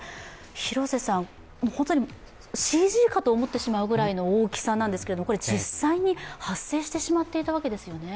広瀬さん、本当にＣＧかと思ってしまうぐらいの大きさなんですけど、実際に発生してしまっていたわけですよね？